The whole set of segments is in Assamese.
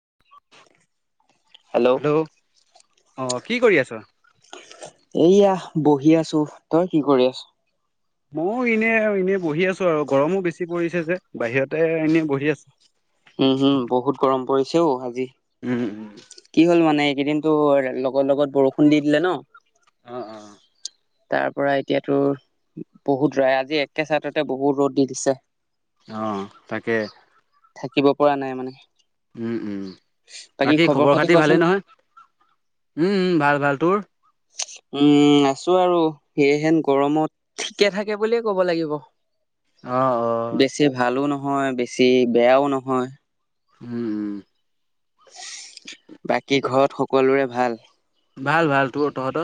[inaudible] হেল্ল' অহ কি কৰি আছা। এইয়া বহি আছো, তই কি কৰি আছ। ময়ো এনে, এনে বহি আছো আৰু গৰমো বেছি পৰিছে যে বাহিৰতে এনে বহি আছো। উম, হম, বহুত গৰম পৰিছেও আজি। উম উম কি হ'ল মানে এইকেইদিনো লগৰ লগত বৰষুণ দি দিলে ন। অ - অ - অ। তাৰ পৰা এতিয়াতো বহুত ৰাই আজি একে চাইডতে বহুত ৰ'দ দি দিছে। অ, তাকে। থাকিব পৰা নাই মানে। উম উম বাকী খবৰ খাতি ভালেই নহয় উম, ভাল - ভাল তোৰ। উম, আছো আৰু সেহেন গৰমত ঠিকে থাকে বুলিয়ে কব লাগিব। অহ - অহ। বেছি ভালো নহয় বেছি বেয়াও নহয়। উম, বাকী ঘৰত সকলোৰে ভাল? ভাল - ভাল তোৰ তহত?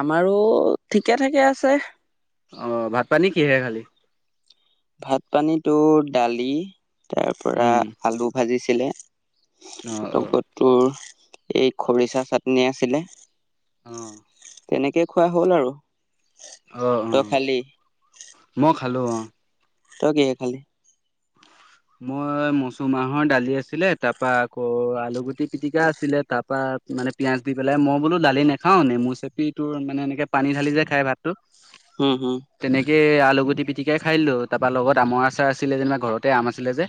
আমাৰো ঠিকে থাকে আছে। অ, ভাত পানী কিহেৰে খালি। ভাত পানীতো দালি তাৰ পৰা উম আলু ভাজিছিলে। অ অ লগত তোৰ এই খৰিচা চাটনি আছিলে। অ', এনেকে খোৱা হ'ল আৰু। অ - অ তই খালি মই খালো অহ। ত, কিহেৰে খালি। মই মচুৰ মাহৰ দালি আছিলে তাৰ পৰা আকৌ আলুগুটি পিতিকা আছিলে তাৰপা তাত মানে পিয়য়াজ দি পেলাই মই বোলো দালি নেখাও নেমু চেপি তোৰ মানে এনেকে পানী ঢালি যে খাই ভাতটো। উম হম তেনেকে আলুগুটি। পিটিকাই খাই দো তাৰপা লগত আমৰ আচাৰ আছিলে যেনিবা ঘৰতে আম আছিলে যে।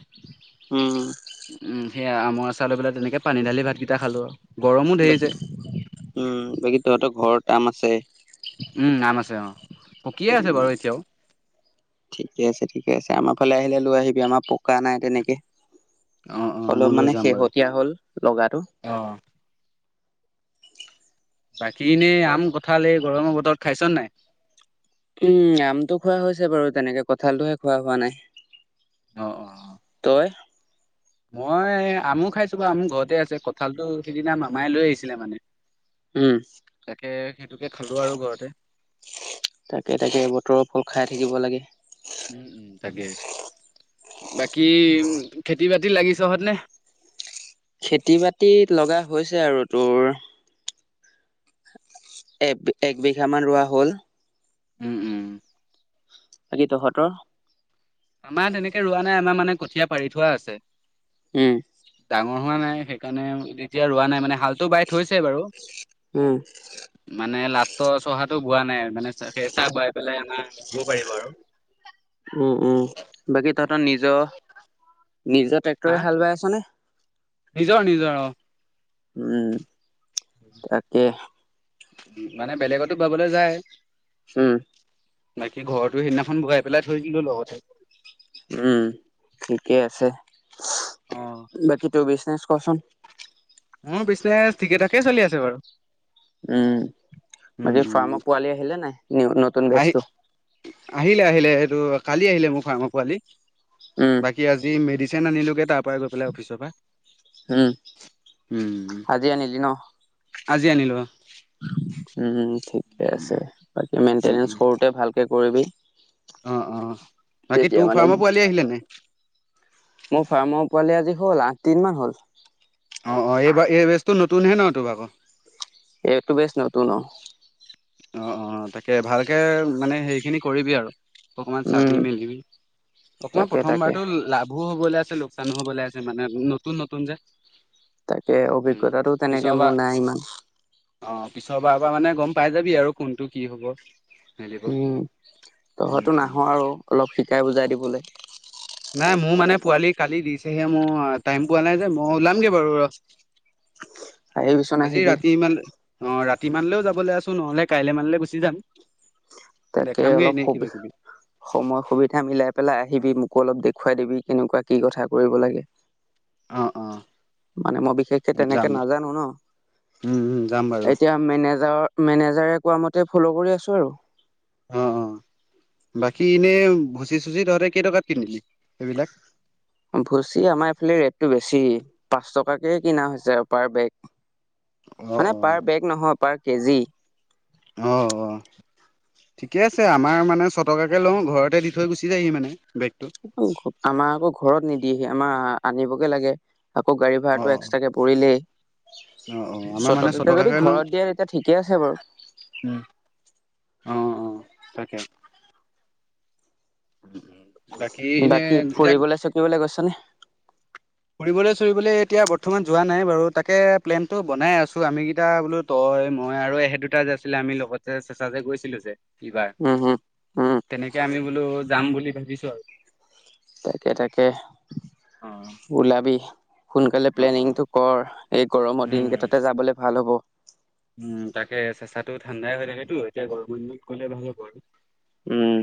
উম। সেয়া আৰচা লৈ পেলাই তেনেকে পানী দালি ভকেইটা খালো। গৰমো ধেৰ যে বাকী উম, বাকী তহতৰ ঘৰৰ আম আছে? উম, আম আছে অ, পকিয়ে আছে উম বাৰু এতিয়াও। ঠিকে আছে - ঠিকে আছে আমাৰ ফালে আহিলে লৈ আহিবি আমাৰ পকা নাই তেনেকে। অ অ মই অলপ লৈ মানে যাম বাৰু শেহতীয়া হ'ল লগাটো। অ বাকী এনেই আম কঠাল এই গৰমৰ বতৰত খাইছ নে নাই? উম, আমটো খোৱা হৈছে বাৰু তেনেকে কঠালটোহে খোৱা হোৱা নাই। অ অ অ তই? মই আমো খাইছো বাৰু আমু ঘৰতে আছে কঠালটো সিদিনা মামাই লৈ আহিছিলে মানে। উম তাকে সেইটোকে খালো আৰু ঘৰতে। তাকে - তাকে বতৰৰ ফল খাই থাকিব লাগে। উম - উম তাকে। বাকী উম, খেতি বাতি লাগিছহত নে? খেতি বাতি লগা হৈছে আৰু তোৰ এক - এক বিঘা মান ৰোৱা হ'ল। উম - উম। বাকী তহতৰ? আমাৰ তেনেকে ৰোৱা নাই আমাৰ মানে কঠীয়া পাৰি থোৱা আছে। হম। ন হোৱা নাই সেইকাৰণে তেতিয়া ৰোৱা নাই মানে হালটো বৱাই থৈছে বাৰু। উম। ত, চহাটো গোৱা নাই মানে চ সেই চাহ বোৱাই পেলাই আমাৰ ধব পাৰিব আৰু। উম - উম বাকী তহতৰ নিজৰ নিজৰ হা ট্ৰেক্টৰে হাল বৱাই আছ নে? নিজৰ - নিজৰ অ‌, উম তাকে মানে বেলেগতো বাবলৈ যায়। হম। বাকী ঘৰৰতো সেইদিনাখন ঘৰাাই পেলাই থৈ দিলো লগতে। উম ঠিকেই আছে অ বাকী তোৰ বিজনেছ কৱাচোন। মোৰ পিজনেছ ঠিকে থাকেই চলি আছে বাৰু। উম উম বাকী উম পৰামৰ্শ পোৱালি আহিলে নাই নতুন আহি বেজটো? আহিলে আহিলে সেইটো কালি আহিলে মোৰ ফাৰ্মা পোৱালি উম বাকী আজি মেডি চেন আনিলোগগে তাৰ পৰা গৈ পেলাই অফিচৰ পৰাই। উম আজি আনিলি ন? আজি আনিলো। উম ঠিকে আছে বাকী উম মেইনটেনেঞ্চ উম সৰুতে ভালকে কৰিবি। অ' অ' বাকী তেতিয়া তোৰ মানে ফাৰ্মৰ পোৱালি আহিলে নে নাই? মোৰ ফাৰ্মৰ পোৱালি আজি হ'ল আঠদিনমান হ'ল। অ অ এইবাৰ এই বেজটো নতুনহে ন তোৰ আকৌ? এই এইটো বেছ নতুন অ। অ অ তাকে ভালকে মানে সেই খিনি কৰিবি আৰু। অকমান উম চাবি মেলিবি অকণমান তাকে তাকে প্ৰথমবাৰতটো লাভ ভুল হ'বলৈ আছে লোকচানো হ'বলৈ আছে মানে নতুন নতুন যে। তাকে উম অভিজ্ঞতাটো তেনেকে মোৰ নাই ইমান। পিছৰ বাৰৰ পৰা মানে গম পাই যাবি আৰু কোনটো কি হ'ব। মেলিব উম, উম তহঁতটো উম নাহো আৰু, অলপ শিকাই বুজাই দিবলে। নাই মোৰ মানে পোৱালি কালি দিছেহে মোৰ, টাইম পোৱা নাই যে মই উলামগে বাৰু ৰ'। আহিবি চোন আজি আহিবি। ৰাতি ইমান অ', ৰাতি মানলৈও যাবলে আছোঁ নহ'লে কাইলে মানলে গুচি যাম। তাকে দেখামগে অলপ এনেই সুবি, কিবা কিবি সময় সুবিধা মিলাই পেলাই। আহিবি মোকো অলপ দেখুৱাই দিবি কেনেকুৱা কি কথা কৰিব লাগে। অ অ মানে মই বিশেষকে তেনেকে যাম নাজানোঁ ন'। উম উম যাম বাৰু এতিয়া মেনেজাৰ-মেনেজাৰৰ কোৱা মতে ফ'ল' কৰি আছোঁ আৰু। অ', অ, বাকী এনে ভুচি চুচি তহঁতে কেই টকাত কিনিলি? সেইবিলাক ভুচি আমাৰ এইফালে ৰেটটো বেছি। পাঁচ টকাকে কিনা হৈছে আৰু পাৰ বেগ, অ মানে অ পাৰ বেগ নহক। পাৰ কেজি। অহ, অ, ঠিকে আছে আমাৰ মানে ছটকাকে লওঁ, ঘৰতে দি থৈ গুচি যায়হি মানে। বেগটো [unintelligible] আমাৰ আকৌ ঘৰত নিদিয়েহি আমাৰ আনি বগে লাগে। আকৌ গাড়ী অ ভাৰাটো অ এক্সট্ৰাকে পৰিলেই। অ', অ, আমাৰ মানে যদি ছ'টকাকে লও, ঘৰত দিয়ে তেতিয়া ঠিকে আছে বাৰু উম, অ', অ, তাকে। বাকী এনে বাকী এতিয়া ফুৰিবলৈ চুকিবলৈ গৈছনে ফুৰিবলৈ চুৰিবলৈ এতিয়া বৰ্তমান যোৱা নাই বাৰু তাকে প্লেনটো বনাই আছোঁ আমি কেইটা, বোলো তই মই আৰু এহেত দুটা যে আছিলে, আমি লগতে চেচা যে গৈছিলো যে ইবাৰ, উম হম উম তেনেকে আমি বোলো যাম বুলি ভাবিছো আৰু। তাকে তাকে অ ওলাবি, সোনকালে অ অ প্লেনিংটো কৰ। এই গৰমৰ দিন উম কেইটাতে যাবলে ভাল হ'ব। উম, তাকে চেচাটো ঠাণ্ডাই হৈ থাকেতো এতিয়া গৰমৰ দিনত গলে ভাল হ'ব আৰু। উম,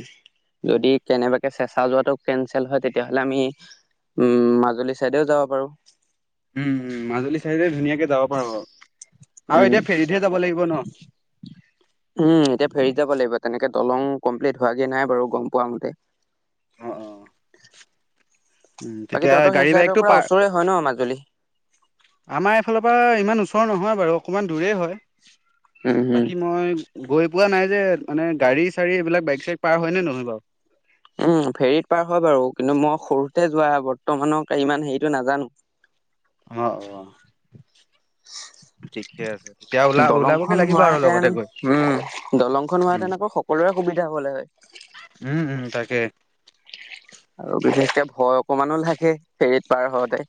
উম যদি কেনেবাকে চেচা যোৱাটো কেনচেল হয় তেতিয়া হ'লে আমি উম, মাজুলী চাইডেও যাব পাৰো। উম উম, মাজুলী চাইদে ধুনীয়া যাব পাৰো আৰু উম এতিয়া ফেৰীতহে যাব লাগিব ন উম এতিয়া ফেৰিত যাব লাগিব তেনেকে দলং কমপ্লিট হোৱাগে নাই বাৰু গম পোৱা মতে অ অ উম বাকী তেতিয়া তহতৰ সেই গাড়ী চাইডৰ বাইকটো পৰা পাৰ ওচৰে হয় ন মাজুলী আমাৰ এইফালৰ পৰা ইমান ওচৰ নহয় বাৰু অকণমান দূৰেই উম হয় হম বাকী মই গৈ পোৱা নাই যে মানে গাড়ী চাৰি এইবিলাক বাইক চাইক পাৰ হয়নে নহয় বাৰু উম ফেৰিত পাৰ হয় বাৰু কিন্তু মই সৰুতে যোৱা বৰ্তমানৰ ইমান হেৰিটো নাজানো অহ অ' ঠিকে আছে তেতিয়া ওলা [inaudible] দলং ওলাবগে খন লাগিব আৰু হোৱাহেতেন লগতে গৈ। উম দলং খন উম হোৱাহেতেন আকৌ সকলোয়ে সুবিধা হলে হয় উম উম, তাকে হয় অকমানো লাগে ফেৰীত পাৰ হওঁতে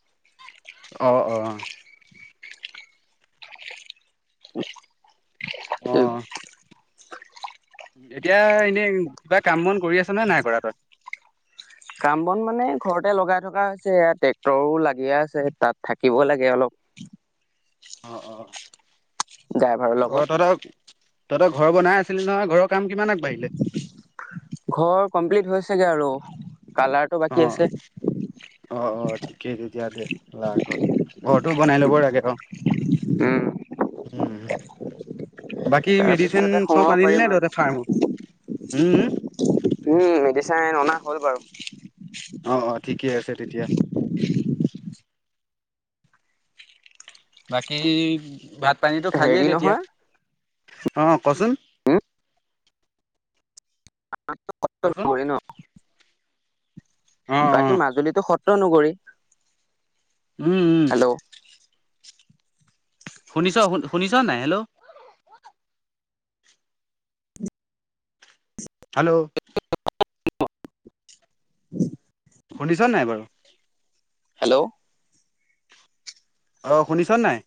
অ অ অ এই এতিয়া এনেই কিবা কাম বন কৰি আছ নে নাই কৰা তই। কাম বন মানে ঘৰতে লগাই থকা হৈছে ট্ৰেক্টৰো লাগিয়ে আছে তাত থাকিব লাগে অলপ। [inaudible] অ -অ ড্ৰাইভাৰৰ -অ লগত তহঁতৰ তহঁতৰ ঘৰ বনাই আছিলি নহয় ঘৰৰ কাম কিমান আগবাঢ়িলে চাগে আৰু কালাৰটো অ বাকী আছে এই তেতিয়াতে আগত ঘৰটো বনাই ল'ব লাগে অ উম। উম। বাকী তাৰ মেডিচিন পিছতে চব সোমাব আনিলি পাৰিম নে আৰু তহতে ফাৰ্ম উম উম। উম মেডিচাইন অনা হ'ল বাৰু। অ -অ ঠিকেই আছে তেতিয়া বাকী ভাত পানীটো খালিয়েই হেৰি তেতিয়া নহয়। অ' কচোন কোৱাচোন বাকী মাজুলীটো সত্ৰ নগৰী। উম, উম। হেল্ল' শুনিছ শু-শুনিছনে নাই হেল্ল'? হেল্ল'। [unintelligible] শুনিছনে নাই বাৰু? হেল্ল' অহ' শুনিছনে নাই?